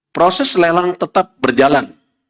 proses lelang tetap berjalan